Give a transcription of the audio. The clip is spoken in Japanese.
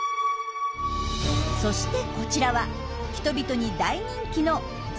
そしてこちらは人々に大人気のゾウの神様。